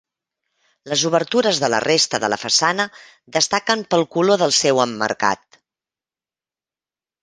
Les obertures de la resta de la façana destaquen pel color del seu emmarcat.